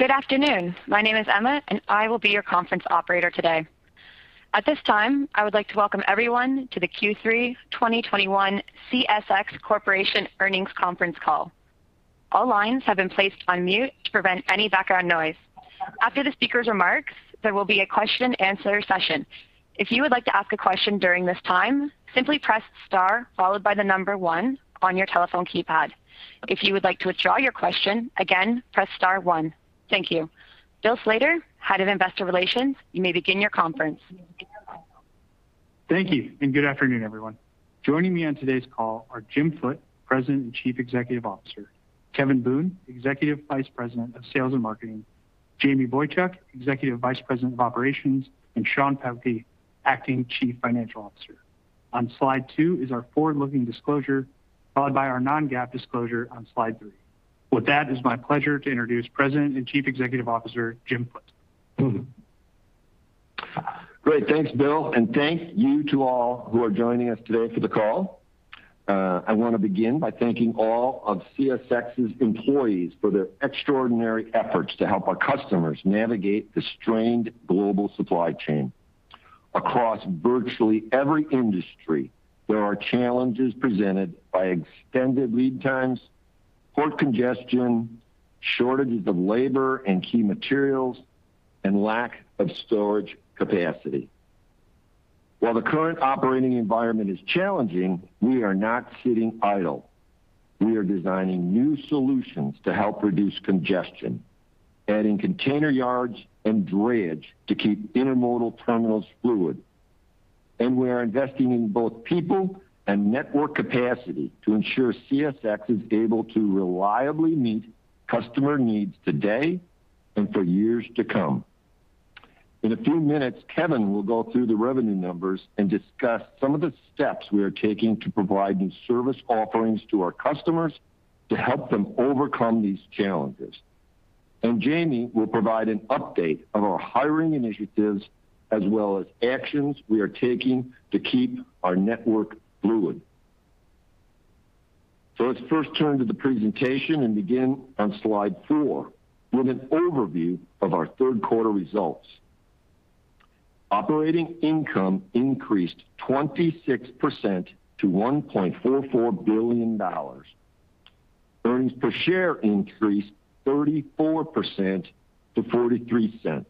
Good afternoon. My name is Emma, I will be your conference operator today. At this time, I would like to welcome everyone to the Q3 2021 CSX Corporation Earnings Conference Call. All lines have been placed on mute to prevent any background noise. After the speakers' remarks, there will be a question-and-answer session. If you would like to ask a question during this time, simply press star followed by the number one on your telephone keypad. If you would like to withdraw your question, again, press star one. Thank you. Bill Slater, Head of Investor Relations, you may begin your conference. Thank you, and good afternoon, everyone. Joining me on today's call are Jim Foote, President and Chief Executive Officer, Kevin Boone, Executive Vice President of Sales and Marketing, Jamie Boychuk, Executive Vice President of Operations, and Sean Pelkey, Acting Chief Financial Officer. On slide two is our forward-looking disclosure, followed by our non-GAAP disclosure on slide three. With that, it's my pleasure to introduce President and Chief Executive Officer, Jim Foote. Great. Thanks, Bill, and thank you to all who are joining us today for the call. I want to begin by thanking all of CSX's employees for their extraordinary efforts to help our customers navigate the strained global supply chain. Across virtually every industry, there are challenges presented by extended lead times, port congestion, shortages of labor and key materials, and lack of storage capacity. While the current operating environment is challenging, we are not sitting idle. We are designing new solutions to help reduce congestion, adding container yards and drayage to keep intermodal terminals fluid. We are investing in both people and network capacity to ensure CSX is able to reliably meet customer needs today, and for years to come. In a few minutes, Kevin will go through the revenue numbers and discuss some of the steps we are taking to provide new service offerings to our customers to help them overcome these challenges. Jamie will provide an update of our hiring initiatives as well as actions we are taking to keep our network fluid. Let's first turn to the presentation and begin on slide four with an overview of our third quarter results. Operating income increased 26% to $1.44 billion. Earnings per share increased 34% to $0.43.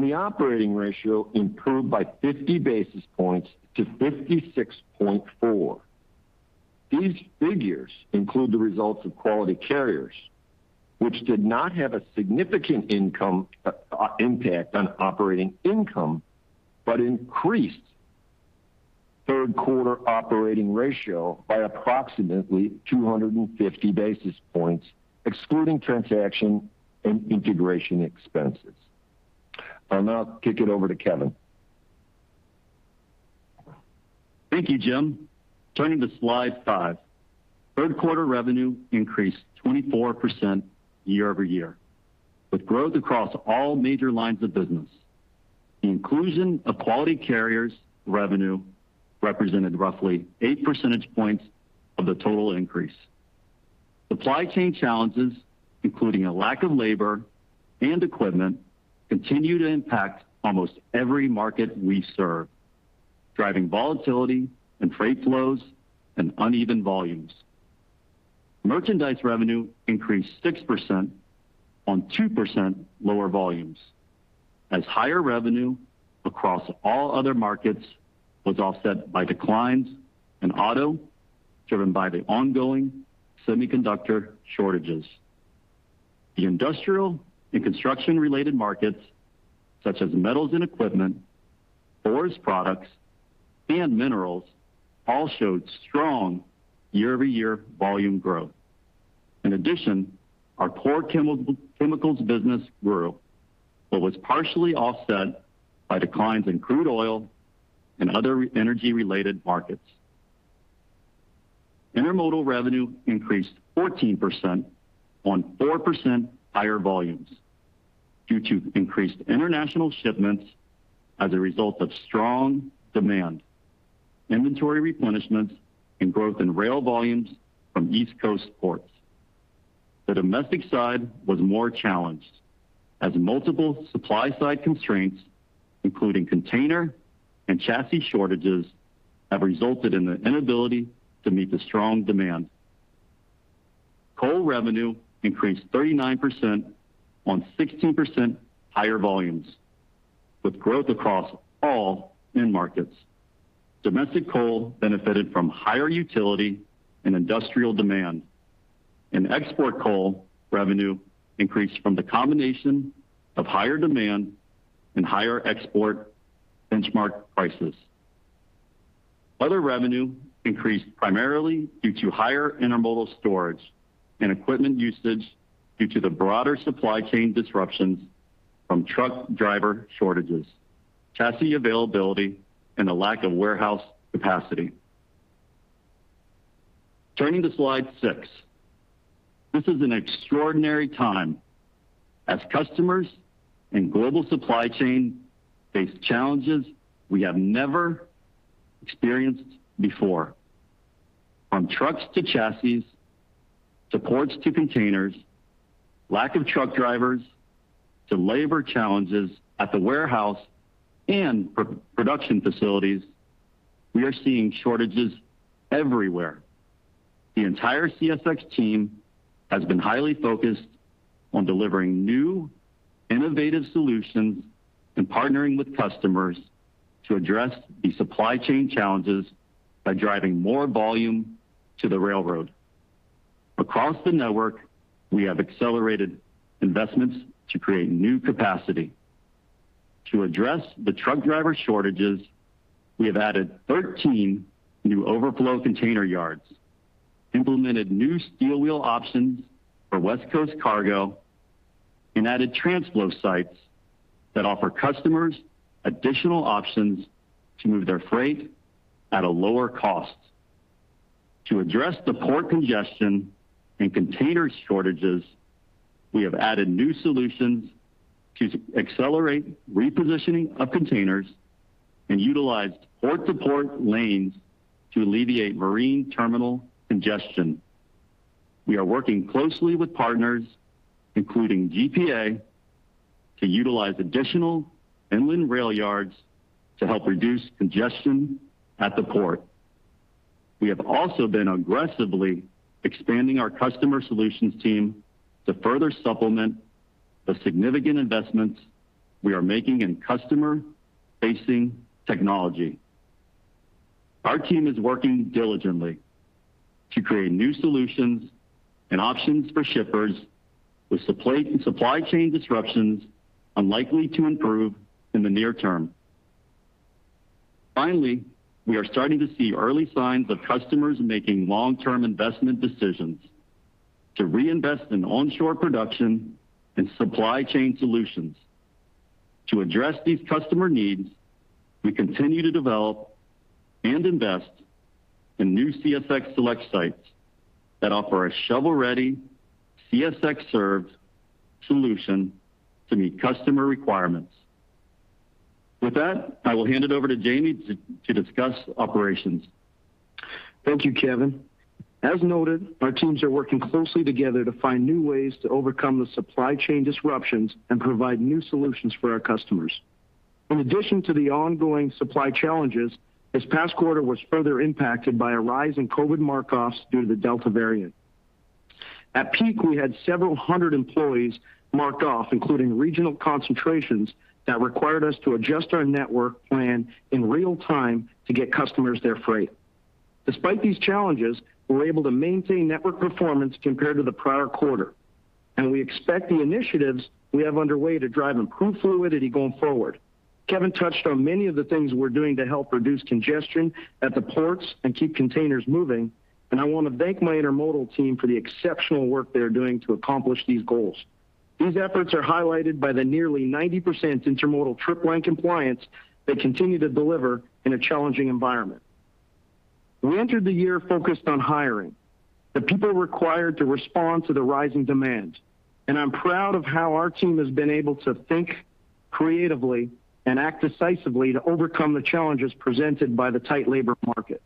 The operating ratio improved by 50 basis points to 56.4. These figures include the results of Quality Carriers, which did not have a significant impact on operating income, but increased third quarter operating ratio by approximately 250 basis points, excluding transaction and integration expenses. I'll now kick it over to Kevin. Thank you, Jim. Turning to slide five. Third quarter revenue increased 24% year-over-year, with growth across all major lines of business. The inclusion of Quality Carriers revenue represented roughly 8 percentage points of the total increase. Supply chain challenges, including a lack of labor and equipment, continue to impact almost every market we serve, driving volatility in freight flows and uneven volumes. Merchandise revenue increased 6% on 2% lower volumes, as higher revenue across all other markets was offset by declines in auto, driven by the ongoing semiconductor shortages. The industrial and construction-related markets, such as metals and equipment, forest products, and minerals, all showed strong year-over-year volume growth. In addition, our core chemicals business grew, but was partially offset by declines in crude oil and other energy-related markets. Intermodal revenue increased 14% on 4% higher volumes due to increased international shipments as a result of strong demand, inventory replenishment, and growth in rail volumes from East Coast ports. The domestic side was more challenged, as multiple supply-side constraints, including container and chassis shortages, have resulted in the inability to meet the strong demand. Coal revenue increased 39% on 16% higher volumes, with growth across all end markets. Export coal revenue increased from the combination of higher demand and higher export benchmark prices. Other revenue increased primarily due to higher intermodal storage and equipment usage due to the broader supply chain disruptions from truck driver shortages, chassis availability, and a lack of warehouse capacity. Turning to slide six. This is an extraordinary time. As customers and global supply chain face challenges we have never experienced before. From trucks to chassis, to ports to containers, lack of truck drivers to labor challenges at the warehouse and production facilities, we are seeing shortages everywhere. The entire CSX team has been highly focused on delivering new, innovative solutions and partnering with customers to address the supply chain challenges by driving more volume to the railroad. Across the network, we have accelerated investments to create new capacity. To address the truck driver shortages, we have added 13 new overflow container yards, implemented new steel wheel options for West Coast cargo, and added transload sites that offer customers additional options to move their freight at a lower cost. To address the port congestion and container shortages, we have added new solutions to accelerate repositioning of containers and utilized port-to-port lanes to alleviate marine terminal congestion. We are working closely with partners, including GPA, to utilize additional inland rail yards to help reduce congestion at the port. We have also been aggressively expanding our customer solutions team to further supplement the significant investments we are making in customer-facing technology. Our team is working diligently to create new solutions and options for shippers with supply chain disruptions unlikely to improve in the near term. Finally, we are starting to see early signs of customers making long-term investment decisions to reinvest in onshore production and supply chain solutions. To address these customer needs, we continue to develop and invest in new CSX Select Sites that offer a shovel-ready, CSX-served solution to meet customer requirements. With that, I will hand it over to Jamie to discuss operations. Thank you, Kevin. As noted, our teams are working closely together to find new ways to overcome the supply chain disruptions and provide new solutions for our customers. In addition to the ongoing supply challenges, this past quarter was further impacted by a rise in COVID mark-offs due to the Delta variant. At peak, we had several hundred employees marked off, including regional concentrations, that required us to adjust our network plan in real time to get customers their freight. Despite these challenges, we were able to maintain network performance compared to the prior quarter, and we expect the initiatives we have underway to drive improved fluidity going forward. Kevin touched on many of the things we're doing to help reduce congestion at the ports and keep containers moving, and I want to thank my intermodal team for the exceptional work they are doing to accomplish these goals. These efforts are highlighted by the nearly 90% intermodal trip plan compliance they continue to deliver in a challenging environment. We entered the year focused on hiring the people required to respond to the rising demand, and I'm proud of how our team has been able to think creatively and act decisively to overcome the challenges presented by the tight labor market.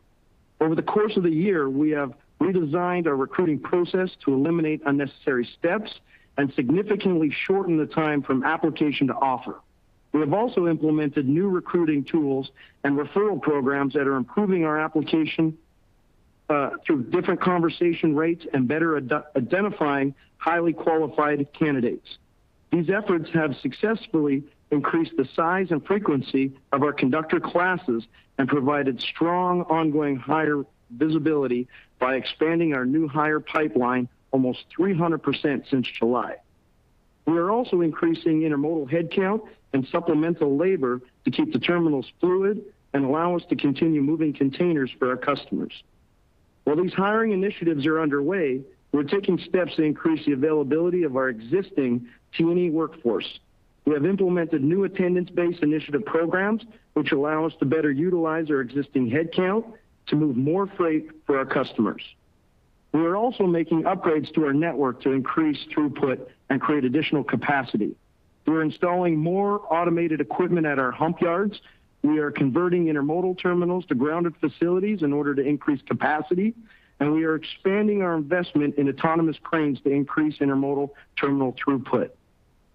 Over the course of the year, we have redesigned our recruiting process to eliminate unnecessary steps and significantly shorten the time from application to offer. We have also implemented new recruiting tools and referral programs that are improving our application through different conversion rates and better identifying highly qualified candidates. These efforts have successfully increased the size and frequency of our conductor classes and provided strong ongoing hire visibility by expanding our new hire pipeline almost 300% since July. We are also increasing intermodal headcount and supplemental labor to keep the terminals fluid and allow us to continue moving containers for our customers. While these hiring initiatives are underway, we're taking steps to increase the availability of our existing team workforce. We have implemented new attendance-based initiative programs, which allow us to better utilize our existing headcount to move more freight for our customers. We are also making upgrades to our network to increase throughput and create additional capacity. We're installing more automated equipment at our hump yards. We are converting intermodal terminals to grounded facilities in order to increase capacity, and we are expanding our investment in autonomous cranes to increase intermodal terminal throughput.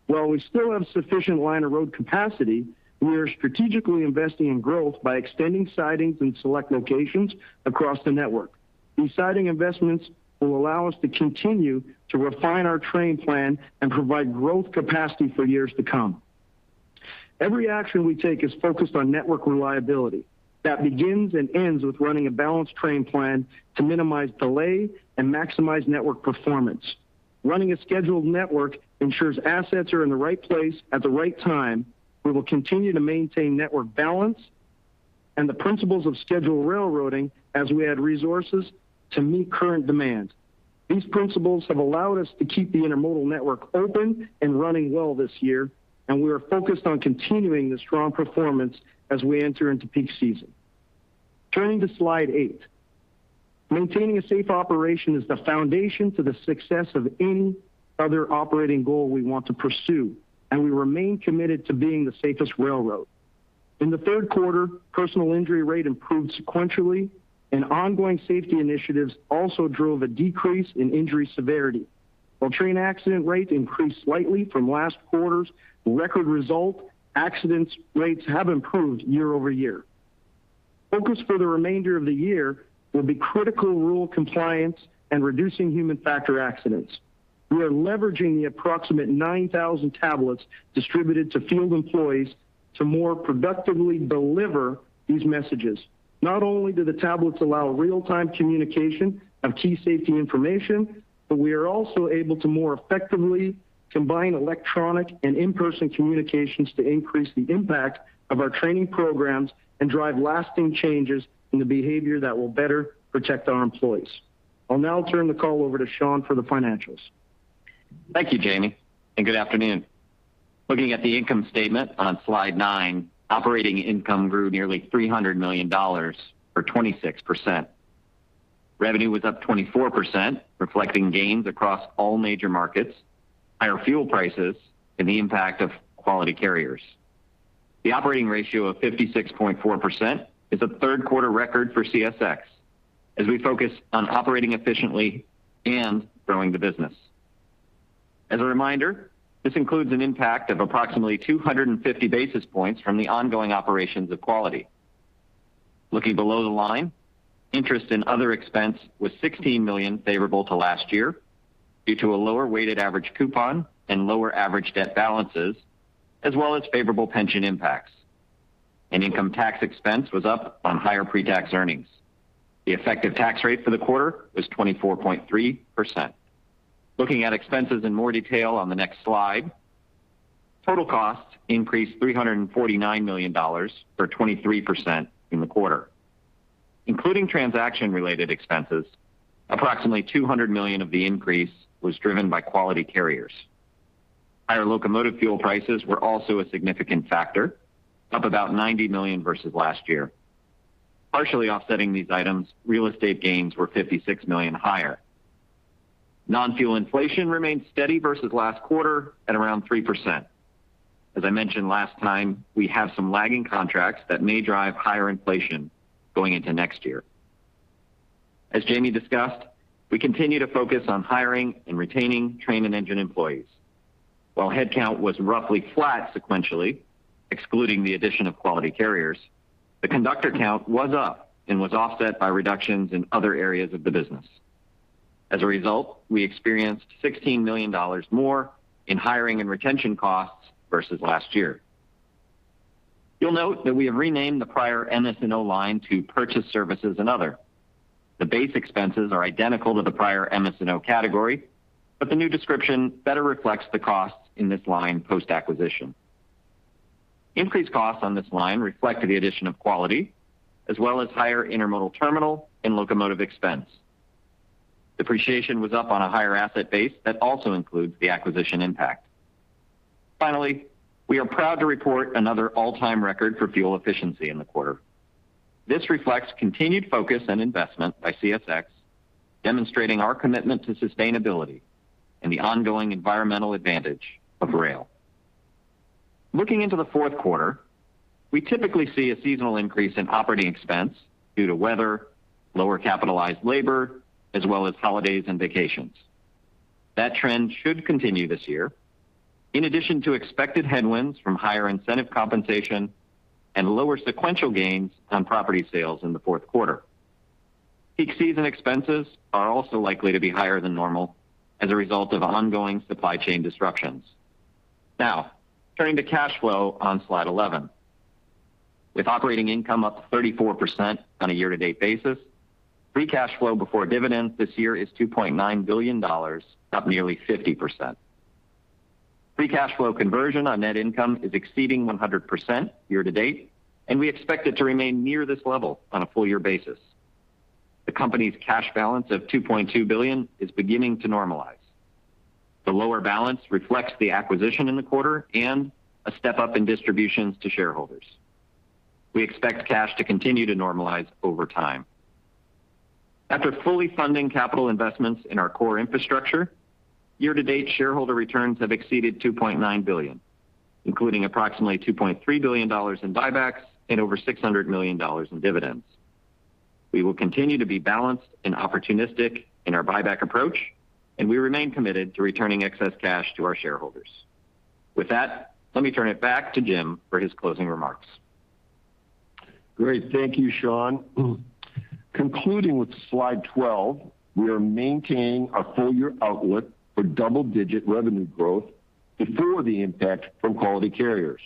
While we still have sufficient line of road capacity, we are strategically investing in growth by extending sidings in select locations across the network. These siding investments will allow us to continue to refine our train plan and provide growth capacity for years to come. Every action we take is focused on network reliability. That begins and ends with running a balanced train plan to minimize delay and maximize network performance. Running a scheduled network ensures assets are in the right place at the right time. We will continue to maintain network balance and the principles of scheduled railroading as we add resources to meet current demand. These principles have allowed us to keep the intermodal network open and running well this year. We are focused on continuing the strong performance as we enter into peak season. Turning to slide eight. Maintaining a safe operation is the foundation to the success of any other operating goal we want to pursue, and we remain committed to being the safest railroad. In the third quarter, personal injury rate improved sequentially, and ongoing safety initiatives also drove a decrease in injury severity. While train accident rate increased slightly from last quarter's record result, accidents rates have improved year-over-year. Focus for the remainder of the year will be critical rule compliance and reducing human factor accidents. We are leveraging the approximate 9,000 tablets distributed to field employees to more productively deliver these messages. Not only do the tablets allow real-time communication of key safety information, but we are also able to more effectively combine electronic and in-person communications to increase the impact of our training programs and drive lasting changes in the behavior that will better protect our employees. I'll now turn the call over to Sean for the financials. Thank you, Jamie, and good afternoon. Looking at the income statement on slide nine, operating income grew nearly $300 million or 26%. Revenue was up 24%, reflecting gains across all major markets, higher fuel prices, and the impact of Quality Carriers. The operating ratio of 56.4% is a third quarter record for CSX, as we focus on operating efficiently and growing the business. As a reminder, this includes an impact of approximately 250 basis points from the ongoing operations of quality. Looking below the line, interest and other expense was $16 million favorable to last year due to a lower weighted average coupon and lower average debt balances, as well as favorable pension impacts. Income tax expense was up on higher pre-tax earnings. The effective tax rate for the quarter was 24.3%. Looking at expenses in more detail on the next slide, total costs increased $349 million or 23% in the quarter. Including transaction-related expenses, approximately $200 million of the increase was driven by Quality Carriers. Higher locomotive fuel prices were also a significant factor, up about $90 million versus last year. Partially offsetting these items, real estate gains were $56 million higher. Non-fuel inflation remained steady versus last quarter at around 3%. As I mentioned last time, we have some lagging contracts that may drive higher inflation going into next year. As Jamie discussed, we continue to focus on hiring and retaining train and engine employees. While headcount was roughly flat sequentially, excluding the addition of Quality Carriers, the conductor count was up and was offset by reductions in other areas of the business. As a result, we experienced $16 million more in hiring and retention costs versus last year. You'll note that we have renamed the prior MS&O line to Purchased Services and Other. The base expenses are identical to the prior MS&O category, but the new description better reflects the costs in this line post-acquisition. Increased costs on this line reflect the addition of Quality, as well as higher intermodal terminal and locomotive expense. Depreciation was up on a higher asset base that also includes the acquisition impact. Finally, we are proud to report another all-time record for fuel efficiency in the quarter. This reflects continued focus and investment by CSX, demonstrating our commitment to sustainability and the ongoing environmental advantage of rail. Looking into the fourth quarter, we typically see a seasonal increase in operating expense due to weather, lower capitalized labor, as well as holidays and vacations. That trend should continue this year, in addition to expected headwinds from higher incentive compensation and lower sequential gains on property sales in the fourth quarter. Peak season expenses are also likely to be higher than normal as a result of ongoing supply chain disruptions. Now, turning to cash flow on slide 11. With operating income up 34% on a year-to-date basis, free cash flow before dividends this year is $2.9 billion, up nearly 50%. Free cash flow conversion on net income is exceeding 100% year-to-date, and we expect it to remain near this level on a full year basis. The company's cash balance of $2.2 billion is beginning to normalize. The lower balance reflects the acquisition in the quarter and a step-up in distributions to shareholders. We expect cash to continue to normalize over time. After fully funding capital investments in our core infrastructure, year-to-date shareholder returns have exceeded $2.9 billion, including approximately $2.3 billion in buybacks and over $600 million in dividends. We will continue to be balanced and opportunistic in our buyback approach. We remain committed to returning excess cash to our shareholders. With that, let me turn it back to Jim for his closing remarks. Great. Thank you, Sean. Concluding with slide 12, we are maintaining a full-year outlook for double-digit revenue growth before the impact from Quality Carriers.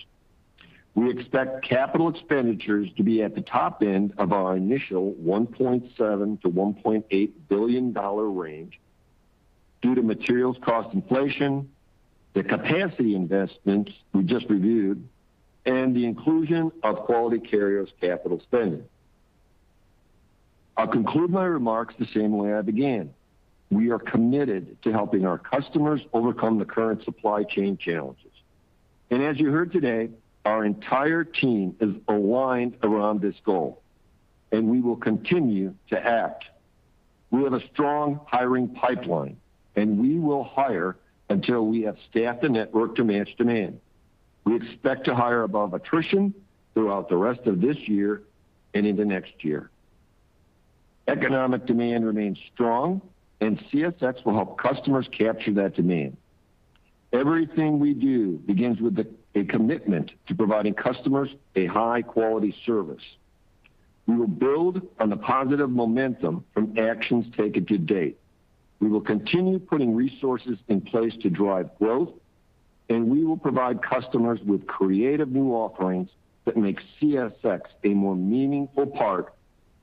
We expect capital expenditures to be at the top end of our initial $1.7 billion-$1.8 billion range due to materials cost inflation, the capacity investments we just reviewed, and the inclusion of Quality Carriers' capital spending. I'll conclude my remarks the same way I began. We are committed to helping our customers overcome the current supply chain challenges. As you heard today, our entire team is aligned around this goal, and we will continue to act. We have a strong hiring pipeline, and we will hire until we have staffed the network to match demand. We expect to hire above attrition throughout the rest of this year and into next year. Economic demand remains strong, and CSX will help customers capture that demand. Everything we do begins with a commitment to providing customers a high-quality service. We will build on the positive momentum from actions taken to date. We will continue putting resources in place to drive growth, and we will provide customers with creative new offerings that make CSX a more meaningful part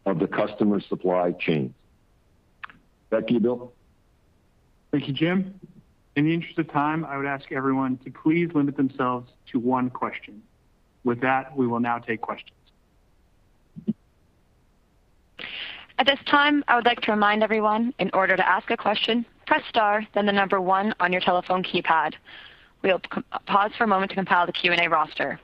of the customer supply chain. Back to you, Bill. Thank you, Jim. In the interest of time, I would ask everyone to please limit themselves to one question. With that, we will now take questions. At this time, I would like to remind everyone, in order to ask a question, press star, then the number one on your telephone keypad. We'll pause for a moment to compile the Q&A roster.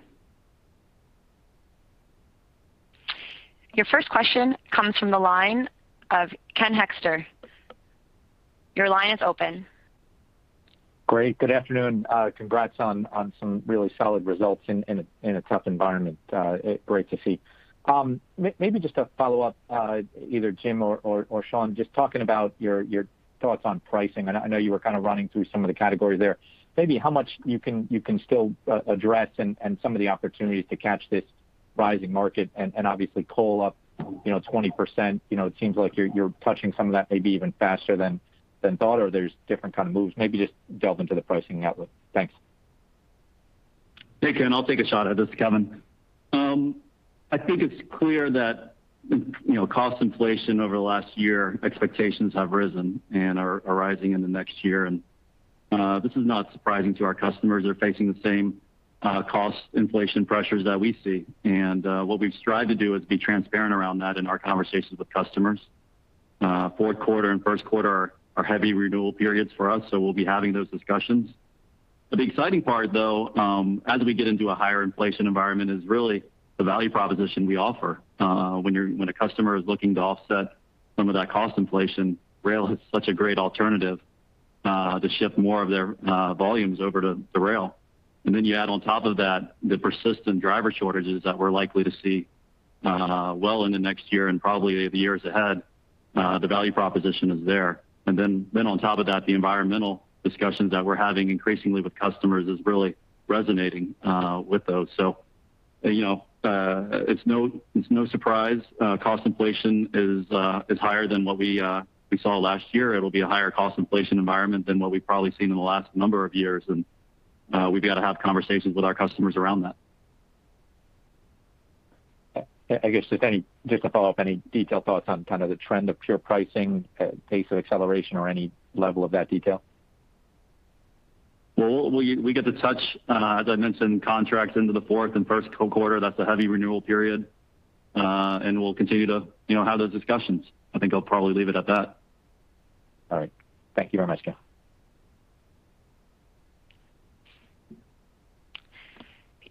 Your first question comes from the line of Ken Hoexter. Your line is open. Great. Good afternoon. Congrats on some really solid results in a tough environment. Great to see. Maybe just a follow-up, either Jim or Sean, just talking about your thoughts on pricing. I know you were kind of running through some of the categories there. Maybe how much you can still address and some of the opportunities to catch this rising market. Obviously, coal up 20%. It seems like you're touching some of that maybe even faster than thought, or there's different kind of moves. Maybe just delve into the pricing outlook. Thanks. Hey, Ken, I'll take a shot at this. Kevin. I think it's clear that, cost inflation over the last year, expectations have risen and are rising in the next year. This is not surprising to our customers. They're facing the same cost inflation pressures that we see, and what we've strived to do is be transparent around that in our conversations with customers. Fourth quarter and first quarter are our heavy renewal periods for us, so we'll be having those discussions. The exciting part, though, as we get into a higher inflation environment, is really the value proposition we offer. When a customer is looking to offset some of that cost inflation, rail is such a great alternative to ship more of their volumes over to the rail. You add on top of that the persistent driver shortages that we're likely to see well into next year and probably the years ahead. The value proposition is there. On top of that, the environmental discussions that we're having increasingly with customers is really resonating with those. It's no surprise cost inflation is higher than what we saw last year. It'll be a higher cost inflation environment than what we've probably seen in the last number of years, and we've got to have conversations with our customers around that. I guess Just to follow up, any detailed thoughts on kind of the trend of pure pricing, pace of acceleration, or any level of that detail? Well, we get to touch, as I mentioned, contracts into the fourth and first quarter. That's a heavy renewal period. We'll continue to have those discussions. I think I'll probably leave it at that. All right. Thank you very much, Kevin.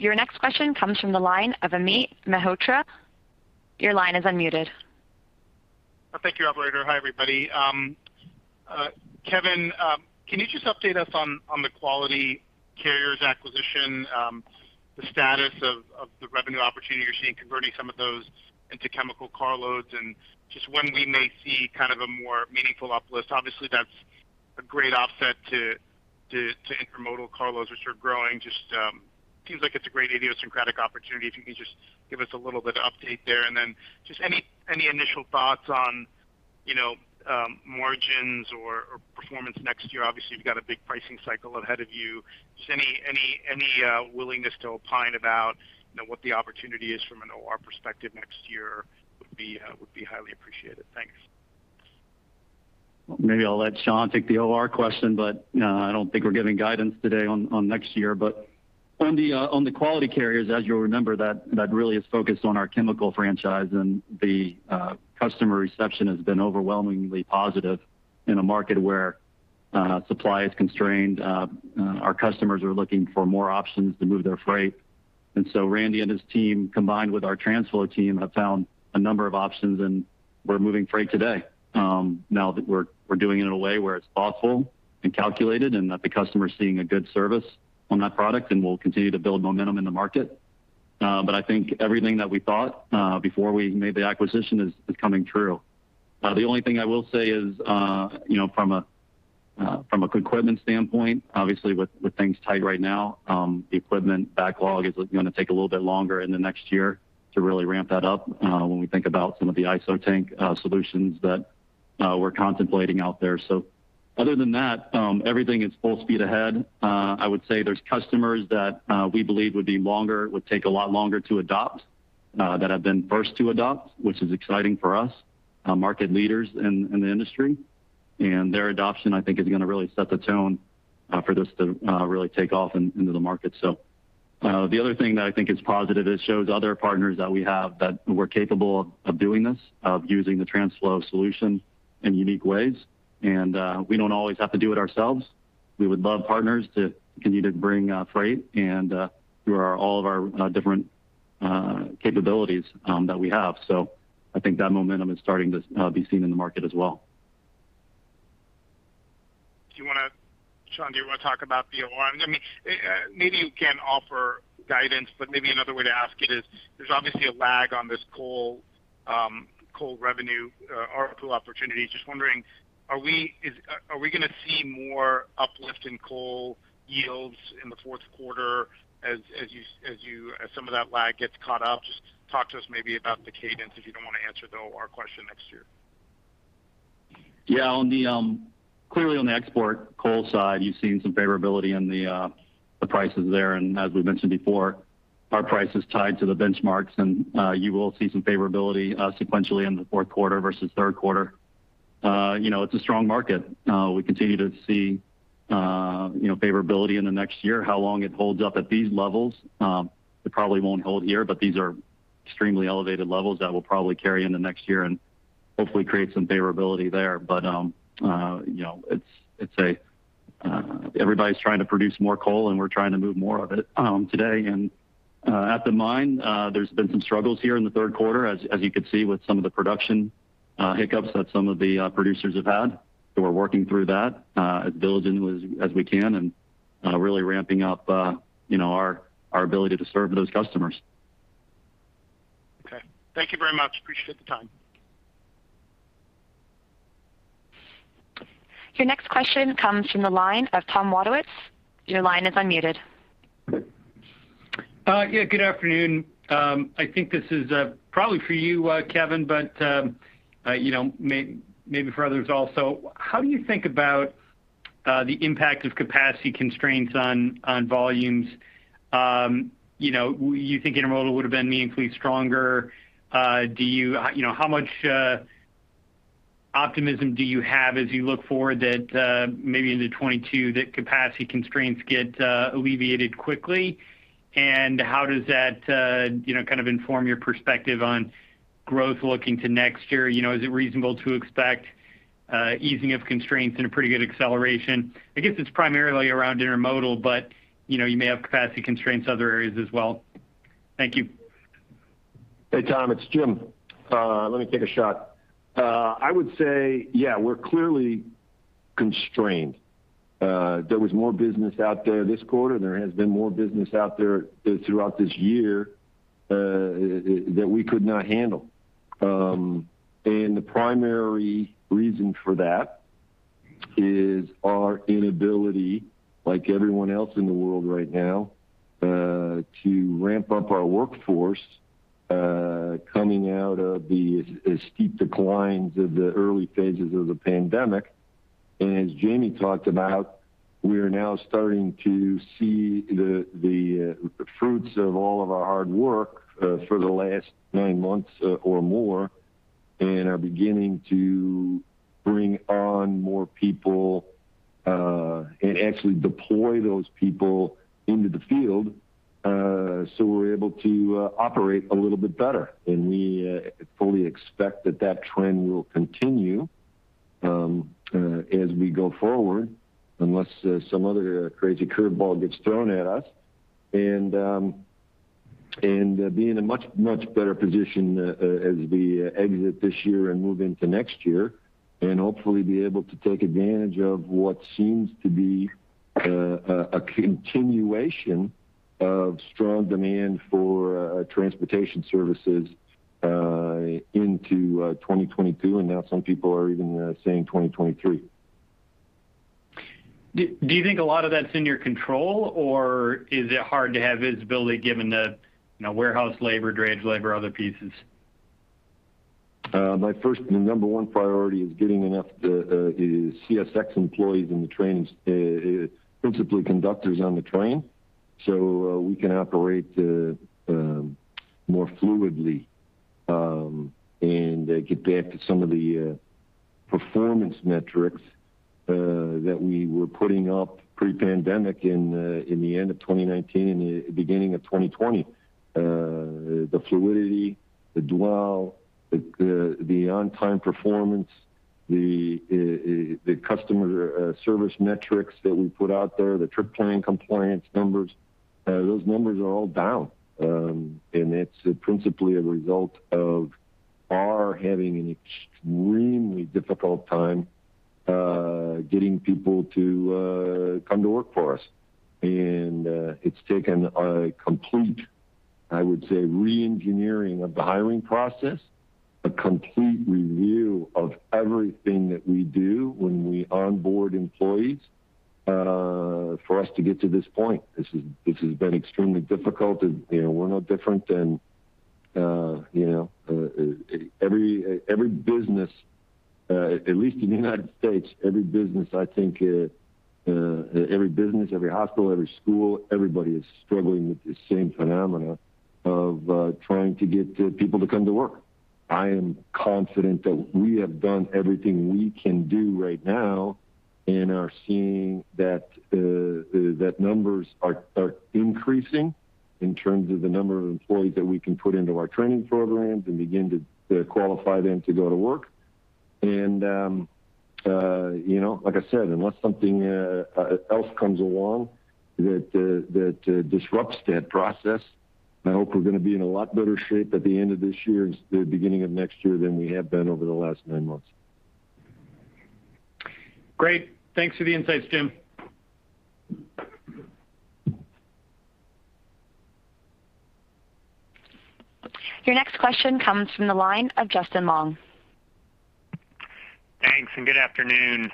Your next question comes from the line of Amit Mehrotra. Your line is unmuted. Thank you, operator. Hi, everybody. Kevin, can you just update us on the Quality Carriers acquisition, the status of the revenue opportunity you're seeing converting some of those into chemical carloads, and just when we may see kind of a more meaningful uplift? Obviously, that's a great offset to intermodal carloads, which are growing. It seems like it's a great idiosyncratic opportunity, if you could just give us a little bit of update there. Any initial thoughts on margins or performance next year? Obviously, you've got a big pricing cycle ahead of you. Any willingness to opine about what the opportunity is from an OR perspective next year would be highly appreciated. Thanks. Maybe I'll let Sean take the OR question, but I don't think we're giving guidance today on next year. On the Quality Carriers, as you'll remember, that really is focused on our chemical franchise, and the customer reception has been overwhelmingly positive in a market where supply is constrained. Our customers are looking for more options to move their freight. Randy and his team, combined with our TRANSFLO team, have found a number of options, and we're moving freight today. Now that we're doing it in a way where it's thoughtful and calculated, and that the customer's seeing a good service on that product, and we'll continue to build momentum in the market. I think everything that we thought before we made the acquisition is coming true. The only thing I will say is, from an equipment standpoint, obviously with things tight right now, the equipment backlog is going to take a little bit longer in the next year to really ramp that up when we think about some of the ISO Tank solutions that we're contemplating out there. Other than that, everything is full speed ahead. I would say there's customers that we believe would take a lot longer to adopt that have been first to adopt, which is exciting for us. Market leaders in the industry. Their adoption, I think, is going to really set the tone for this to really take off into the market. The other thing that I think is positive, it shows other partners that we have that we're capable of doing this, of using the TRANSFLO solution in unique ways. We don't always have to do it ourselves. We would love partners to continue to bring freight and through all of our different capabilities that we have. I think that momentum is starting to be seen in the market as well. Sean, do you want to talk about the OR? Maybe you can offer guidance, but maybe another way to ask it is, there's obviously a lag on this coal revenue or coal opportunity. Just wondering, are we going to see more uplift in coal yields in the fourth quarter as some of that lag gets caught up? Just talk to us maybe about the cadence, if you don't want to answer the OR question next year. Clearly on the export coal side, you've seen some favorability in the prices there, and as we mentioned before, our price is tied to the benchmarks, and you will see some favorability sequentially in the fourth quarter versus third quarter. It's a strong market. We continue to see favorability in the next year. How long it holds up at these levels? It probably won't hold here, but these are extremely elevated levels that will probably carry into next year and hopefully create some favorability there. Everybody's trying to produce more coal, and we're trying to move more of it today. At the mine, there's been some struggles here in the third quarter, as you could see, with some of the production hiccups that some of the producers have had. We're working through that as diligently as we can and really ramping up our ability to serve those customers. Okay. Thank you very much. Appreciate the time. Your next question comes from the line of Tom Wadewitz. Your line is unmuted. Yeah. Good afternoon. I think this is probably for you, Kevin, but maybe for others also. How do you think about the impact of capacity constraints on volumes? You think intermodal would've been meaningfully stronger? How much optimism do you have as you look forward that maybe into 2022, that capacity constraints get alleviated quickly? How does that kind of inform your perspective on growth looking to next year? Is it reasonable to expect easing of constraints and a pretty good acceleration? I guess it's primarily around intermodal, but you may have capacity constraints in other areas as well. Thank you. Hey, Tom. It's Jim. Let me take a shot. I would say, yeah, we're clearly constrained. There was more business out there this quarter. There has been more business out there throughout this year that we could not handle. The primary reason for that is our inability, like everyone else in the world right now, to ramp up our workforce, coming out of the steep declines of the early phases of the pandemic. As Jamie talked about, we are now starting to see the fruits of all of our hard work for the last nine months or more and are beginning to bring on more people and actually deploy those people into the field, so we're able to operate a little bit better. We fully expect that that trend will continue as we go forward, unless some other crazy curve ball gets thrown at us, and be in a much better position as we exit this year and move into next year and hopefully be able to take advantage of what seems to be a continuation of strong demand for transportation services into 2022, and now some people are even saying 2023. Do you think a lot of that's in your control, or is it hard to have visibility given the warehouse labor, drayage labor, other pieces? My first and number one priority is getting enough CSX employees in the trains, principally conductors on the train, so we can operate more fluidly and get back to some of the performance metrics that we were putting up pre-pandemic in the end of 2019 and the beginning of 2020. The fluidity, the dwell, the on-time performance, the customer service metrics that we put out there, the trip plan compliance numbers, those numbers are all down. It's principally a result of our having an extremely difficult time getting people to come to work for us. It's taken a complete, I would say, re-engineering of the hiring process, a complete review of everything that we do when we onboard employees for us to get to this point. This has been extremely difficult, and we're no different than every business, at least in the U.S. Every business, every hospital, every school, everybody is struggling with the same phenomena of trying to get people to come to work. I am confident that we have done everything we can do right now. Are seeing that numbers are increasing in terms of the number of employees that we can put into our training programs and begin to qualify them to go to work. Like I said, unless something else comes along that disrupts that process, I hope we're going to be in a lot better shape at the end of this year and the beginning of next year than we have been over the last nine months. Great. Thanks for the insights, Jim. Your next question comes from the line of Justin Long. Thanks, and good afternoon.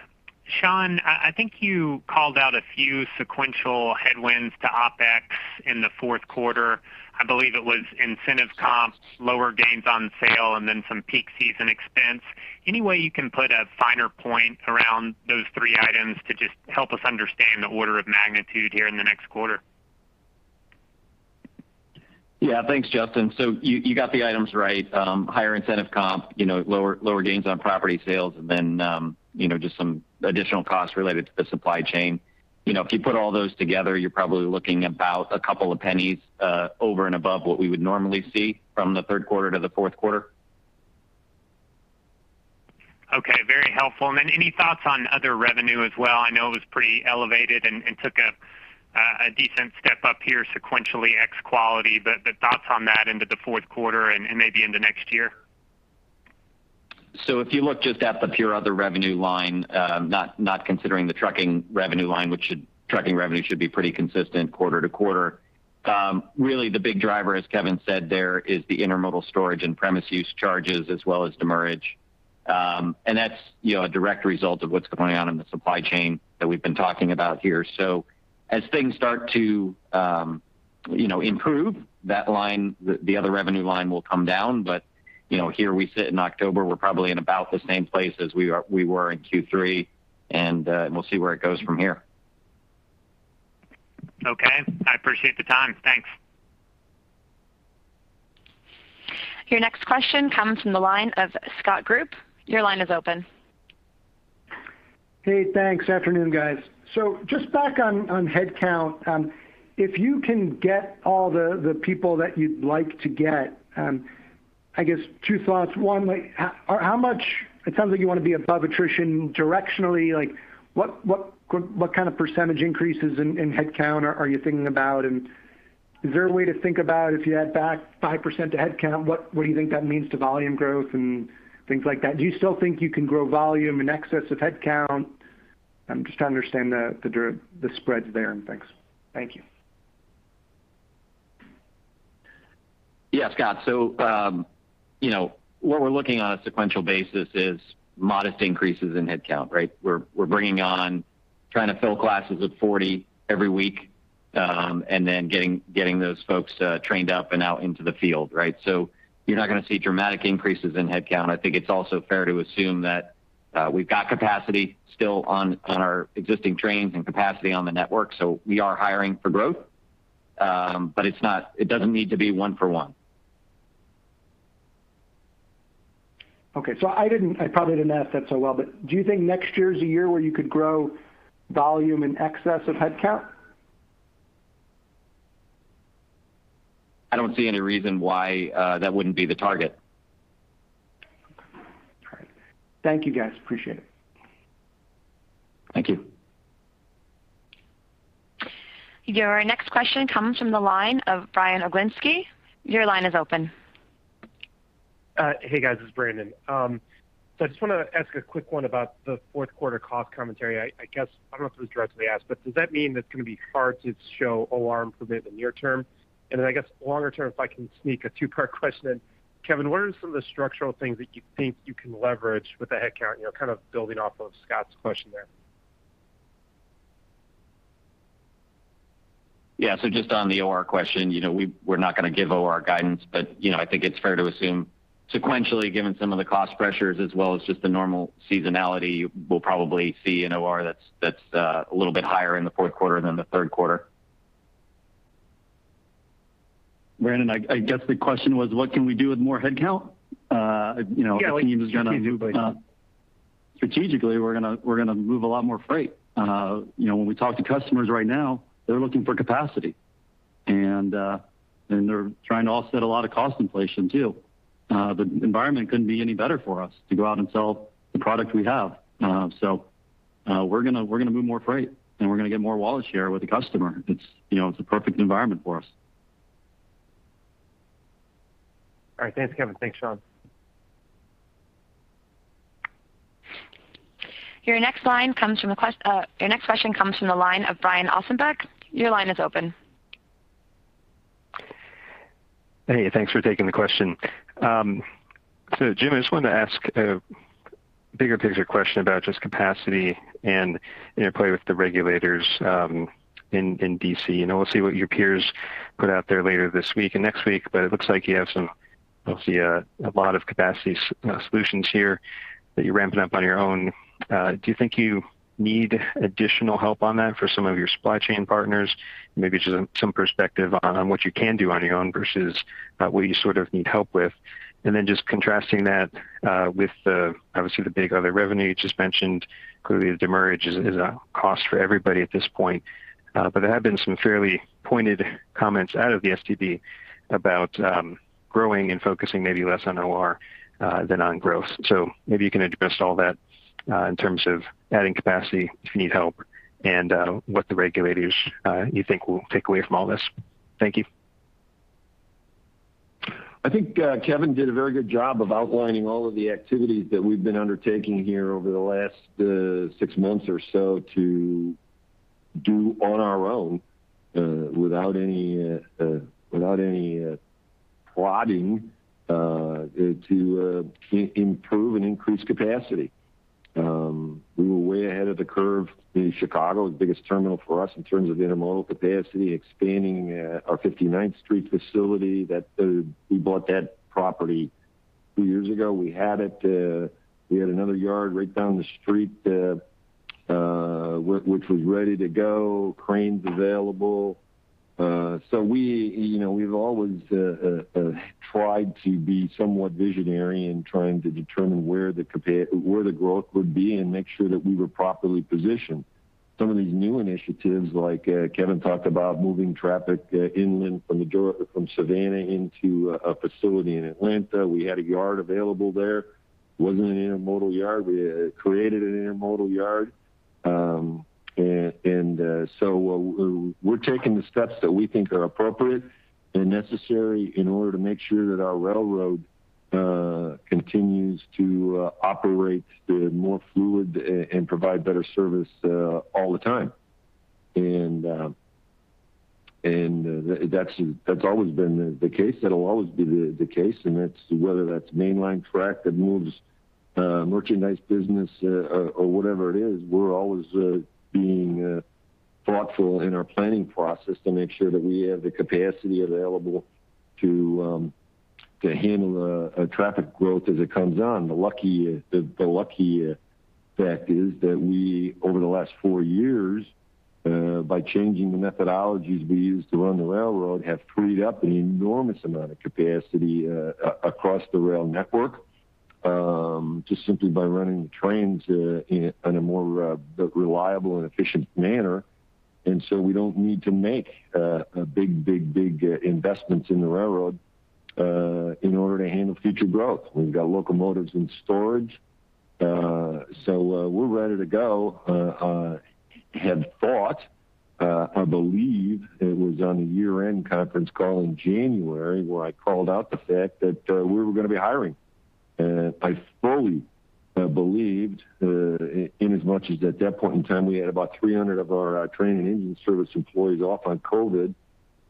Sean, I think you called out a few sequential headwinds to OpEx in the fourth quarter. I believe it was incentive comp, lower gains on sale, and then some peak season expense. Any way you can put a finer point around those three items to just help us understand the order of magnitude here in the next quarter? Yeah. Thanks, Justin. You got the items right. Higher incentive comp, lower gains on property sales, and then just some additional costs related to the supply chain. If you put all those together, you're probably looking about a couple of pennies over and above what we would normally see from the third quarter to the fourth quarter. Okay. Very helpful. Any thoughts on other revenue as well? I know it was pretty elevated and took a decent step up here sequentially ex Quality, thoughts on that into the fourth quarter and maybe into next year. If you look just at the pure other revenue line, not considering the trucking revenue line, which trucking revenue should be pretty consistent quarter-to-quarter. Really the big driver, as Kevin said there, is the intermodal storage and premise use charges as well as demurrage. That's a direct result of what's going on in the supply chain that we've been talking about here. As things start to improve, the other revenue line will come down. Here we sit in October, we're probably in about the same place as we were in Q3, and we'll see where it goes from here. Okay. I appreciate the time. Thanks. Your next question comes from the line of Scott Group. Your line is open. Hey, thanks. Afternoon, guys. Just back on headcount. If you can get all the people that you'd like to get, I guess two thoughts. One, it sounds like you want to be above attrition directionally. What kind of percentage increases in headcount are you thinking about? Is there a way to think about if you add back 5% to headcount, what do you think that means to volume growth and things like that? Do you still think you can grow volume in excess of headcount? Just to understand the spreads there. Thanks. Thank you. Yeah, Scott. What we're looking on a sequential basis is modest increases in headcount, right? We're bringing on, trying to fill classes of 40 every week, and then getting those folks trained up and out into the field, right? You're not going to see dramatic increases in headcount. I think it's also fair to assume that we've got capacity still on our existing trains and capacity on the network. We are hiring for growth, but it doesn't need to be one for one. Okay. I probably didn't ask that so well, but do you think next year's a year where you could grow volume in excess of headcount? I don't see any reason why that wouldn't be the target. All right. Thank you, guys. Appreciate it. Thank you. Your next question comes from the line of Brandon Oglenski. Your line is open. Hey, guys. It's Brandon. I just want to ask a quick one about the fourth quarter cost commentary. I don't know if this was directly asked, does that mean that it's going to be hard to show OR improvement in the near term? I guess longer term, if I can sneak a two-part question in. Kevin, what are some of the structural things that you think you can leverage with the headcount, kind of building off of Scott's question there? Yeah. Just on the OR question, we're not going to give OR guidance, but I think it's fair to assume sequentially, given some of the cost pressures as well as just the normal seasonality, we'll probably see an OR that's a little bit higher in the fourth quarter than the third quarter. Brandon, I guess the question was what can we do with more headcount? Yeah. Strategically, we're going to move a lot more freight. When we talk to customers right now, they're looking for capacity, and they're trying to offset a lot of cost inflation, too. The environment couldn't be any better for us to go out and sell the product we have. We're going to move more freight, and we're going to get more wallet share with the customer. It's a perfect environment for us. All right. Thanks, Kevin. Thanks, Sean. Your next question comes from the line of Brian Ossenbeck. Your line is open. Hey, thanks for taking the question. Jim, I just wanted to ask a bigger picture question about just capacity and interplay with the regulators in D.C. We'll see what your peers put out there later this week and next week, but it looks like you have a lot of capacity solutions here that you're ramping up on your own. Do you think you need additional help on that for some of your supply chain partners? Maybe just some perspective on what you can do on your own versus what you sort of need help with. Just contrasting that with the, obviously, the big other revenue you just mentioned. Clearly, the demurrage is a cost for everybody at this point. There have been some fairly pointed comments out of the STB about growing and focusing maybe less on OR than on growth. Maybe you can address all that in terms of adding capacity, if you need help, and what the regulators you think will take away from all this. Thank you. I think Kevin did a very good job of outlining all of the activities that we've been undertaking here over the last six months or so to do on our own without any prodding to improve and increase capacity. We were way ahead of the curve in Chicago, the biggest terminal for us in terms of intermodal capacity, expanding our 59th Street facility. We bought that property two years ago. We had another yard right down the street which was ready to go, cranes available. We've always tried to be somewhat visionary in trying to determine where the growth would be and make sure that we were properly positioned. Some of these new initiatives, like Kevin talked about moving traffic inland from Savannah into a facility in Atlanta. We had a yard available there. Wasn't an intermodal yard. We created an intermodal yard. We're taking the steps that we think are appropriate and necessary in order to make sure that our railroad continues to operate more fluid and provide better service all the time. That's always been the case. That'll always be the case. Whether that's mainline track that moves merchandise business or whatever it is, we're always being thoughtful in our planning process to make sure that we have the capacity available to handle traffic growth as it comes on. The lucky fact is that we, over the last four years, by changing the methodologies we use to run the railroad, have freed up an enormous amount of capacity across the rail network just simply by running the trains in a more reliable and efficient manner. We don't need to make big investments in the railroad in order to handle future growth. We've got locomotives in storage. We're ready to go. Had thought, I believe it was on a year-end conference call in January where I called out the fact that we were going to be hiring. I fully believed, inasmuch as at that point in time, we had about 300 of our train and engine service employees off on COVID,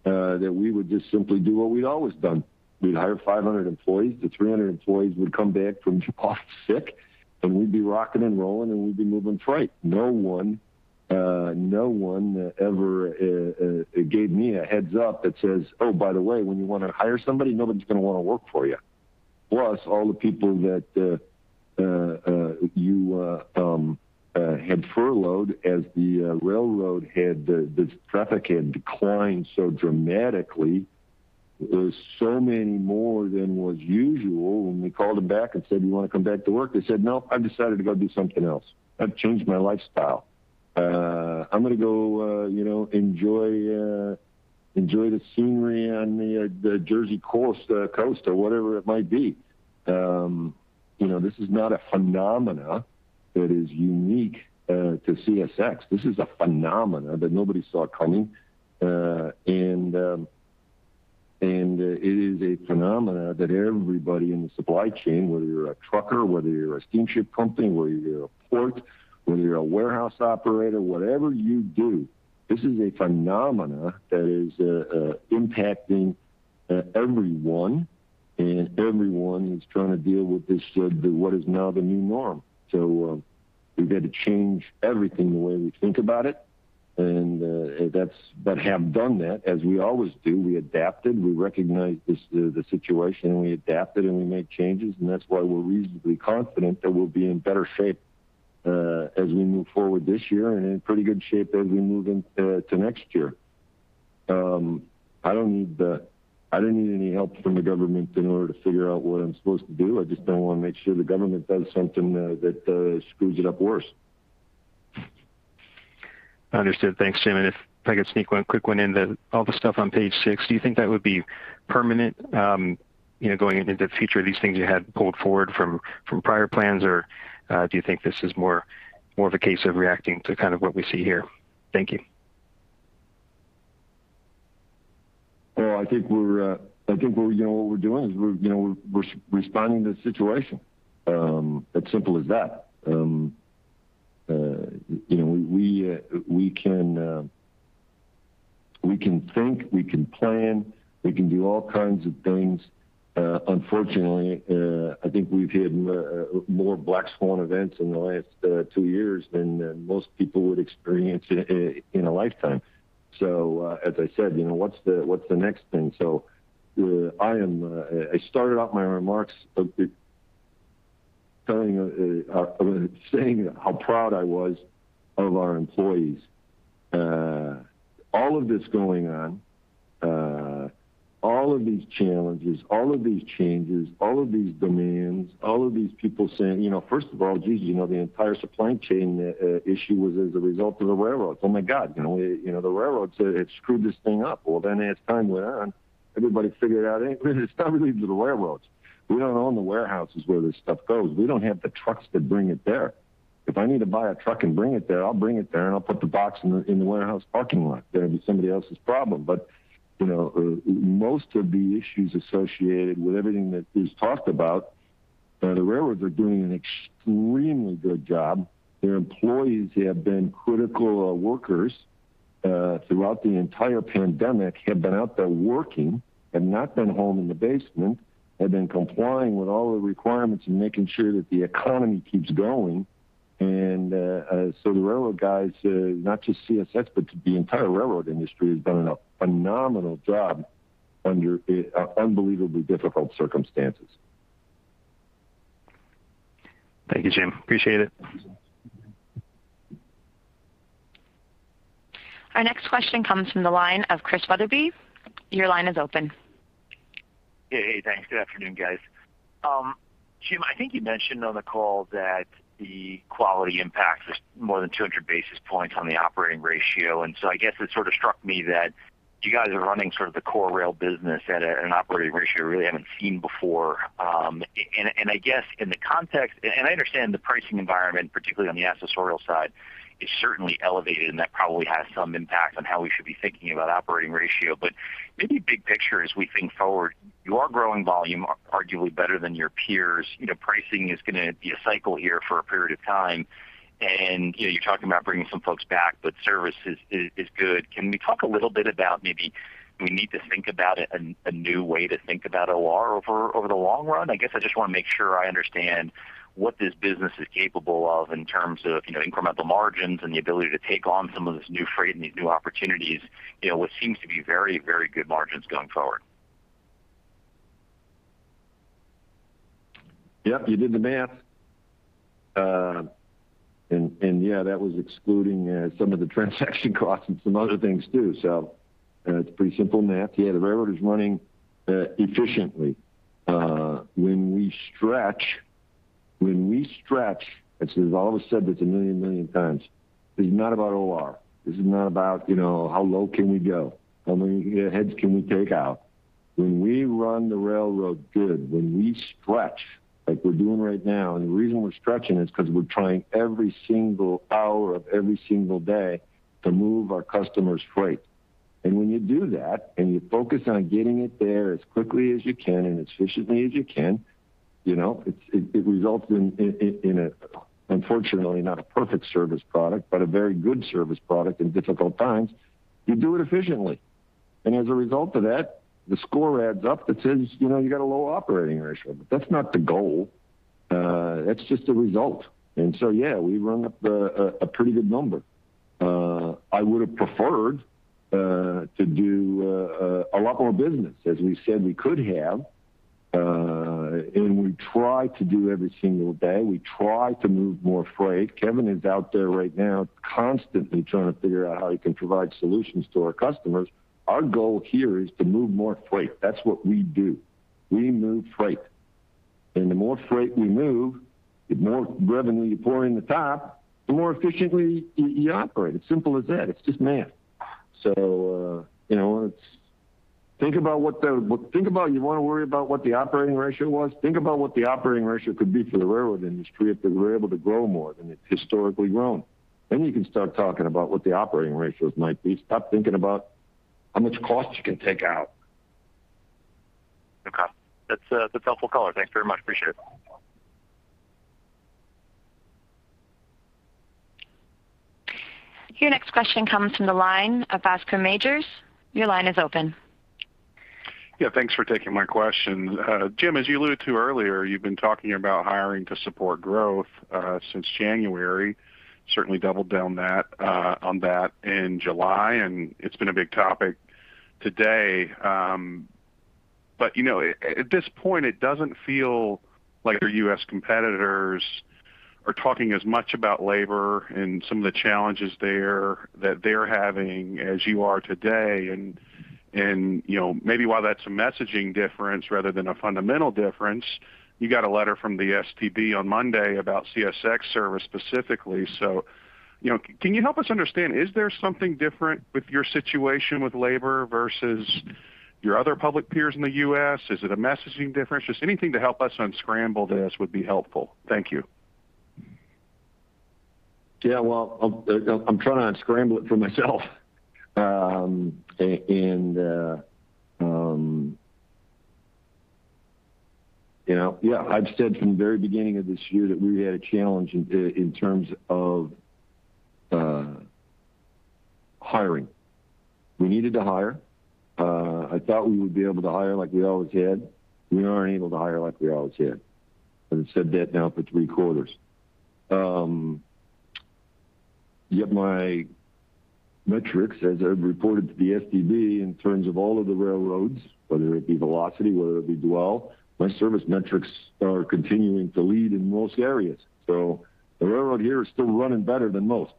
that we would just simply do what we'd always done. We'd hire 500 employees. The 300 employees would come back from off sick, and we'd be rocking and rolling, and we'd be moving freight. No one ever gave me a heads up that says, oh, by the way, when you want to hire somebody, nobody's going to want to work for you. Plus, all the people that you had furloughed as the railroad, the traffic had declined so dramatically. It was so many more than was usual when we called them back and said, do you want to come back to work? They said, no, I've decided to go do something else. I've changed my lifestyle. I'm going to go enjoy the scenery on the Jersey Coast, or whatever it might be. This is not a phenomenon that is unique to CSX. This is a phenomenon that nobody saw coming. It is a phenomenon that everybody in the supply chain, whether you're a trucker, whether you're a steamship company, whether you're a port, whether you're a warehouse operator, whatever you do, this is a phenomenon that is impacting everyone, and everyone is trying to deal with what is now the new norm. We've had to change everything the way we think about it, but have done that. As we always do, we adapted. We recognized the situation, we adapted, and we made changes. That's why we're reasonably confident that we'll be in better shape as we move forward this year and in pretty good shape as we move into next year. I don't need any help from the government in order to figure out what I'm supposed to do. I just don't want to make sure the government does something that screws it up worse. Understood. Thanks, Jim. If I could sneak one quick one in. All the stuff on page six, do you think that would be permanent going into the future, these things you had pulled forward from prior plans? Do you think this is more of a case of reacting to kind of what we see here? Thank you. Well, I think what we're doing is we're responding to the situation. It's simple as that. We can think, we can plan, we can do all kinds of things. Unfortunately, I think we've had more black swan events in the last two years than most people would experience in a lifetime. As I said, what's the next thing? I started off my remarks saying how proud I was of our employees. All of this going on, all of these challenges, all of these changes, all of these demands, all of these people saying, first of all, geez, the entire supply chain issue was as a result of the railroads. Oh my God, the railroads have screwed this thing up. Well, as time went on, everybody figured out it's not really the railroads. We don't own the warehouses where this stuff goes. We don't have the trucks that bring it there. If I need to buy a truck and bring it there, I'll bring it there and I'll put the box in the warehouse parking lot. It'd be somebody else's problem. Most of the issues associated with everything that is talked about, the railroads are doing an extremely good job. Their employees have been critical workers throughout the entire pandemic, have been out there working, have not been home in the basement, have been complying with all the requirements and making sure that the economy keeps going. The railroad guys, not just CSX, but the entire railroad industry, has done a phenomenal job under unbelievably difficult circumstances. Thank you, Jim. Appreciate it. Our next question comes from the line of Chris Wetherbee. Your line is open. Hey. Thanks. Good afternoon, guys. Jim, I think you mentioned on the call that the Quality impact is more than 200 basis points on the operating ratio, I guess it sort of struck me that you guys are running sort of the core rail business at an operating ratio I really haven't seen before. I guess in the context, I understand the pricing environment, particularly on the accessorial side, is certainly elevated, and that probably has some impact on how we should be thinking about operating ratio. Maybe big picture as we think forward, you are growing volume arguably better than your peers. Pricing is going to be a cycle here for a period of time, and you're talking about bringing some folks back, but service is good. Can we talk a little bit about maybe we need to think about a new way to think about OR over the long run? I guess I just want to make sure I understand what this business is capable of in terms of incremental margins and the ability to take on some of this new freight and these new opportunities, what seems to be very, very good margins going forward. Yep, you did the math. Yeah, that was excluding some of the transaction costs and some other things, too. It's pretty simple math. Yeah, the railroad is running efficiently. When we stretch, as Oliver said this a million times, it's not about OR. This is not about how low can we go? How many heads can we take out? When we run the railroad good, when we stretch, like we're doing right now, and the reason we're stretching is because we're trying every single hour of every single day to move our customers' freight. When you do that, and you focus on getting it there as quickly as you can and as efficiently as you can, it results in, unfortunately not a perfect service product, but a very good service product in difficult times. You do it efficiently. As a result of that, the score adds up that says, you got a low operating ratio. That's not the goal. That's just a result. Yeah, we rung up a pretty good number. I would have preferred to do a lot more business, as we said we could have. We try to do every single day. We try to move more freight. Kevin is out there right now constantly trying to figure out how he can provide solutions to our customers. Our goal here is to move more freight. That's what we do. We move freight. The more freight we move, the more revenue you pour in the top, the more efficiently you operate. It's simple as that. It's just math. You want to worry about what the operating ratio was? Think about what the operating ratio could be for the railroad industry if it were able to grow more than it's historically grown. You can start talking about what the operating ratios might be. Stop thinking about how much cost you can take out. Okay. That's a helpful color. Thanks very much. Appreciate it. Your next question comes from the line of Bascome Majors. Your line is open. Yeah. Thanks for taking my question. Jim, as you alluded to earlier, you've been talking about hiring to support growth since January. Certainly doubled down on that in July, and it's been a big topic today. At this point, it doesn't feel like your U.S. competitors are talking as much about labor and some of the challenges there that they're having as you are today. Maybe while that's a messaging difference rather than a fundamental difference, you got a letter from the STB on Monday about CSX service specifically. Can you help us understand, is there something different with your situation with labor versus your other public peers in the U.S.? Is it a messaging difference? Just anything to help us unscramble this would be helpful. Thank you. Yeah, well, I'm trying to unscramble it for myself. Yeah. I've said from the very beginning of this year that we had a challenge in terms of hiring. We needed to hire. I thought we would be able to hire like we always had. We aren't able to hire like we always have. I've said that now for three quarters. Yet my metrics, as I've reported to the STB in terms of all of the railroads, whether it be velocity, whether it be Dwell, my service metrics are continuing to lead in most areas. The railroad here is still running better than most.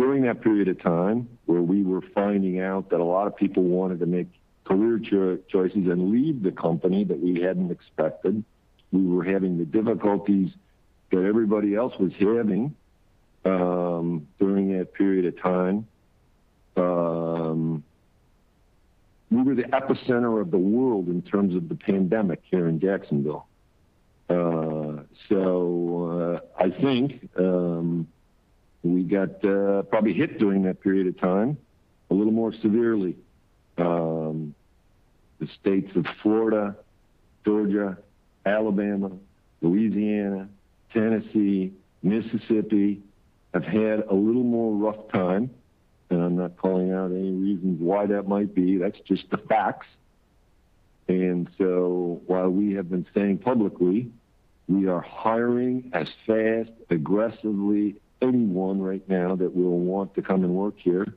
During that period of time where we were finding out that a lot of people wanted to make career choices and leave the company that we hadn't expected, we were having the difficulties that everybody else was having, during that period of time. We were the epicenter of the world in terms of the pandemic here in Jacksonville. I think we got probably hit during that period of time a little more severely. The states of Florida, Georgia, Alabama, Louisiana, Tennessee, Mississippi, have had a little more rough time, and I'm not calling out any reasons why that might be. That's just the facts. While we have been saying publicly we are hiring as fast, aggressively, anyone right now that will want to come and work here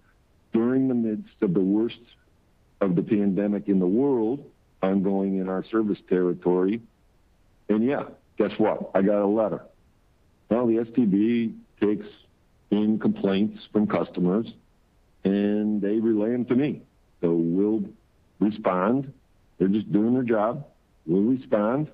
during the midst of the worst of the pandemic in the world ongoing in our service territory. Yeah, guess what? I got a letter. Well, the STB takes in complaints from customers, and they relay them to me. We'll respond. They're just doing their job. We'll respond.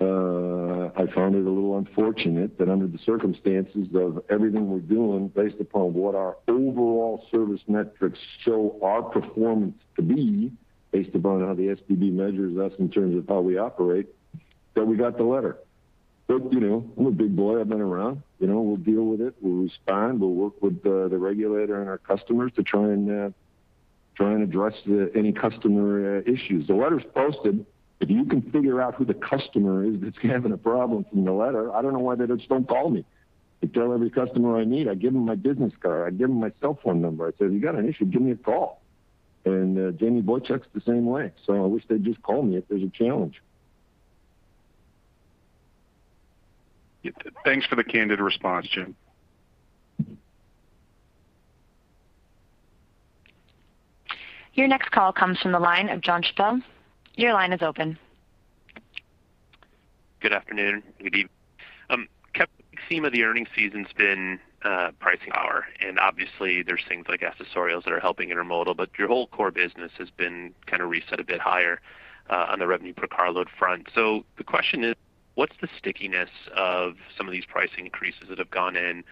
I found it a little unfortunate that under the circumstances of everything we're doing, based upon what our overall service metrics show our performance to be, based upon how the STB measures us in terms of how we operate, that we got the letter. I'm a big boy, I've been around. We'll deal with it. We'll respond. We'll work with the regulator and our customers to try and address any customer issues. The letter's posted. If you can figure out who the customer is that's having a problem from the letter, I don't know why they just don't call me. I tell every customer I meet, I give them my business card, I give them my cell phone number. I say, if you got an issue, give me a call. Jamie Boychuk's the same way. I wish they'd just call me if there's a challenge. Thanks for the candid response, Jim. Your next call comes from the line of Jon Chappell. Your line is open. Good afternoon. The theme of the earnings season's been pricing power. Obviously there's things like accessorials that are helping intermodal, your whole core business has been kind of reset a bit higher on the revenue per carload front. The question is, what's the stickiness of some of these pricing increases that have gone in?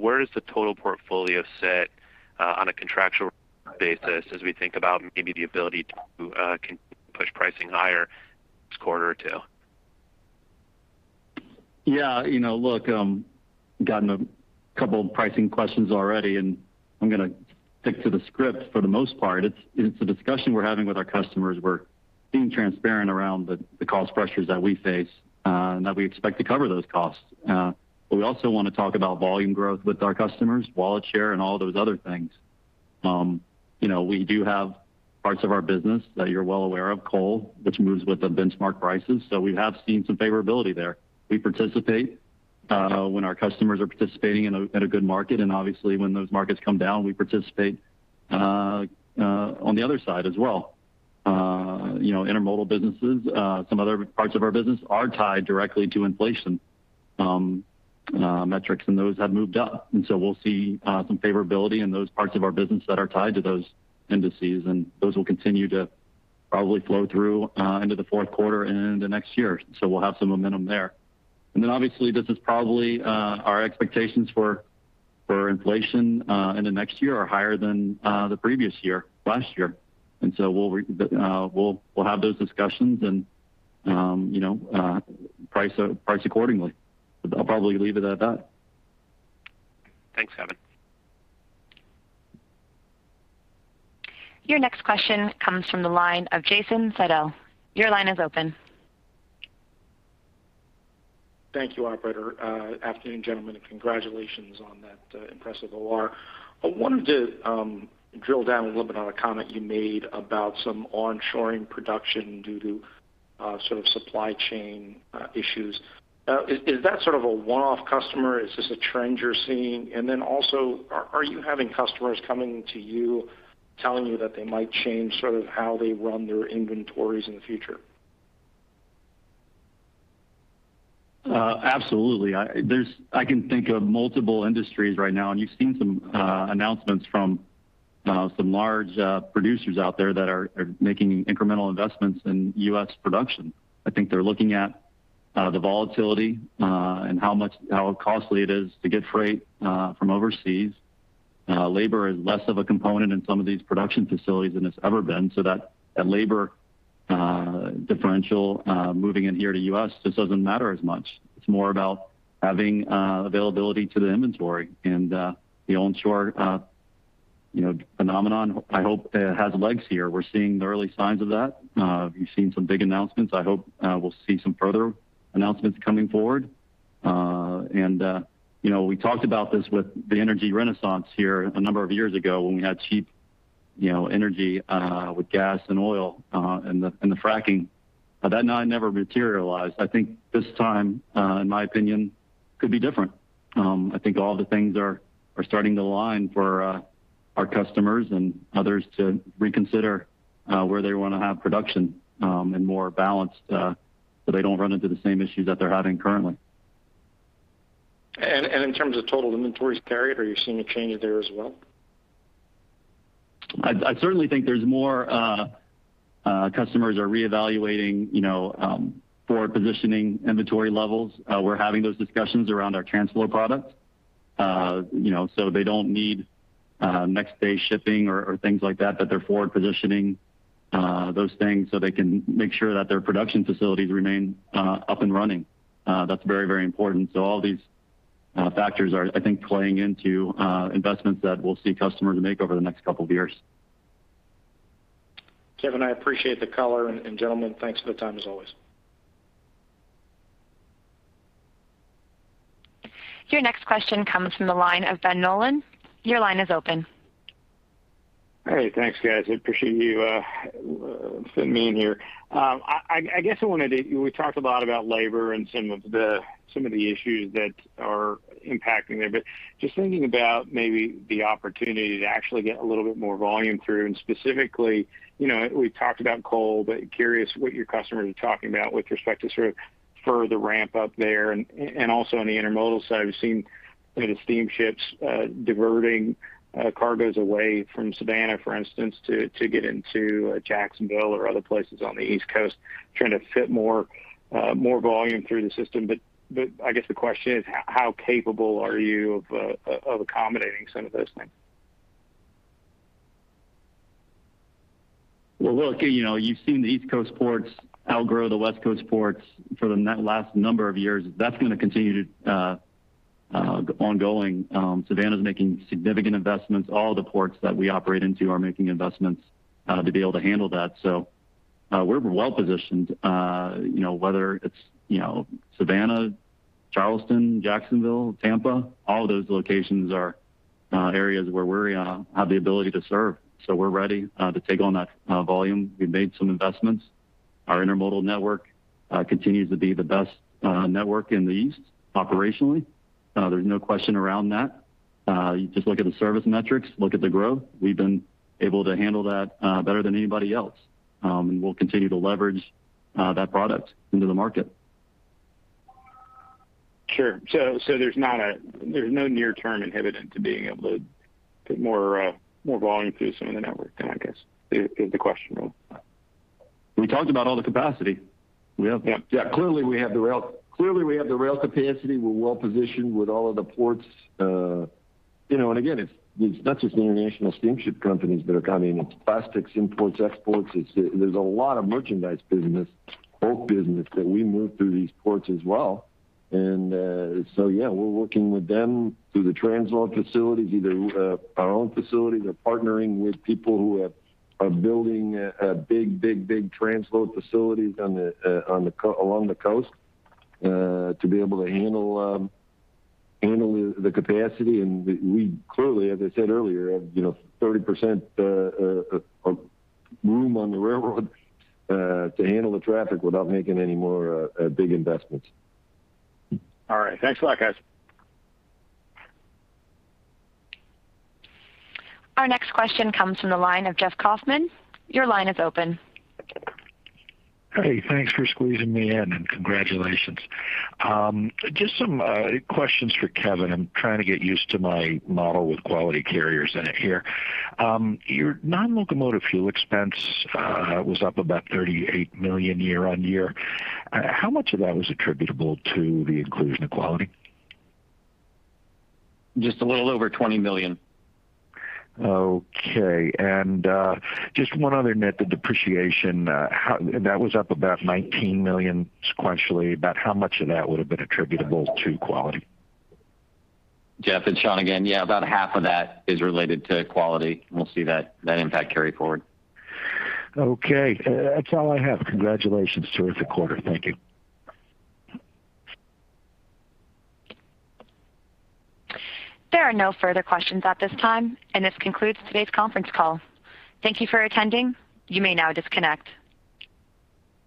Where does the total portfolio sit on a contractual basis as we think about maybe the ability to push pricing higher this quarter or two? Yeah. Look, I've gotten a couple pricing questions already. I'm going to stick to the script for the most part. It's a discussion we're having with our customers. We're being transparent around the cost pressures that we face, that we expect to cover those costs. We also want to talk about volume growth with our customers, wallet share, and all those other things. We do have parts of our business that you're well aware of, coal, which moves with the benchmark prices. We have seen some favorability there. We participate when our customers are participating in a good market, obviously when those markets come down, we participate on the other side as well. Intermodal businesses, some other parts of our business are tied directly to inflation metrics, those have moved up. We'll see some favorability in those parts of our business that are tied to those indices, and those will continue to probably flow through into the fourth quarter and the next year. We'll have some momentum there. Obviously this is probably our expectations for inflation in the next year are higher than the previous year, last year. We'll have those discussions and price accordingly. I'll probably leave it at that. Thanks, Kevin. Your next question comes from the line of Jason Seidl. Your line is open. Thank you, operator. Afternoon, gentlemen. Congratulations on that impressive OR. I wanted to drill down a little bit on a comment you made about some onshoring production due to sort of supply chain issues. Is that sort of a one-off customer? Is this a trend you're seeing? Also, are you having customers coming to you telling you that they might change sort of how they run their inventories in the future? Absolutely. I can think of multiple industries right now, and you've seen some announcements from some large producers out there that are making incremental investments in U.S. production. I think they're looking at the volatility and how costly it is to get freight from overseas. Labor is less of a component in some of these production facilities than it's ever been, so that labor differential moving in here to U.S. just doesn't matter as much. It's more about having availability to the inventory, and the onshore phenomenon, I hope it has legs here. We're seeing the early signs of that. You've seen some big announcements. I hope we'll see some further announcements coming forward. We talked about this with the energy renaissance here a number of years ago when we had cheap energy with gas and oil and the fracking. That never materialized. I think this time, in my opinion, could be different. I think all the things are starting to align for our customers and others to reconsider where they want to have production and more balanced, so they don't run into the same issues that they're having currently. In terms of total inventories carried, are you seeing a change there as well? I certainly think there's more customers are reevaluating forward-positioning inventory levels. We're having those discussions around our transload products. They don't need next-day shipping or things like that, but they're forward-positioning those things so they can make sure that their production facilities remain up and running. That's very important. All these factors are, I think, playing into investments that we'll see customers make over the next couple of years. Kevin, I appreciate the color, and gentlemen, thanks for the time as always. Your next question comes from the line of Ben Nolan. Your line is open. Hey, thanks guys, I appreciate you fitting me in here. We talked a lot about labor and some of the issues that are impacting there, but just thinking about maybe the opportunity to actually get a little bit more volume through, and specifically, we talked about coal, but curious what your customers are talking about with respect to further ramp-up there and also on the intermodal side, we've seen steamships diverting cargoes away from Savannah, for instance, to get into Jacksonville or other places on the East Coast, trying to fit more volume through the system. I guess the question is how capable are you of accommodating some of those things? Well, look, you've seen the East Coast ports outgrow the West Coast ports for the last number of years. That's going to continue ongoing. Savannah's making significant investments. All the ports that we operate into are making investments to be able to handle that. We're well-positioned, whether it's Savannah, Charleston, Jacksonville, Tampa, all of those locations are areas where we have the ability to serve. We're ready to take on that volume. We've made some investments. Our intermodal network continues to be the best network in the East operationally. There's no question around that. You just look at the service metrics, look at the growth. We've been able to handle that better than anybody else, and we'll continue to leverage that product into the market. Sure. There's no near-term inhibitant to being able to put more volume through some of the network then, I guess is the question? We talked about all the capacity. Yeah. Clearly, we have the rail capacity. We're well-positioned with all of the ports. Again, it's not just the international steamship companies that are coming. It's plastics, imports, exports. There's a lot of merchandise business, bulk business that we move through these ports as well. Yeah, we're working with them through the transload facilities, either our own facilities or partnering with people who are building big transload facilities along the coast to be able to handle the capacity. We clearly, as I said earlier, have 30% of room on the railroad to handle the traffic without making any more big investments. All right. Thanks a lot, guys. Our next question comes from the line of Jeff Kauffman. Your line is open. Hey, thanks for squeezing me in, and congratulations. Just some questions for Kevin. I'm trying to get used to my model with Quality Carriers in it here. Your non-locomotive fuel expense was up about $38 million year-on-year. How much of that was attributable to the inclusion of Quality? Just a little over $20 million. Okay. Just one other net, the depreciation, that was up about $19 million sequentially. About how much of that would have been attributable to Quality? Jeff, it's Sean again. Yeah, about half of that is related to Quality. We'll see that impact carry forward. Okay. That's all I have. Congratulations. Terrific quarter. Thank you. There are no further questions at this time, and this concludes today's conference call. Thank you for attending. You may now disconnect.